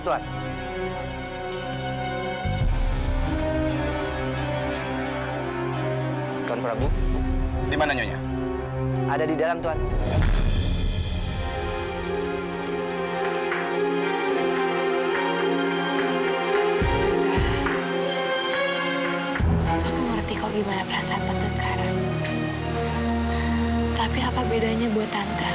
tapi ya udah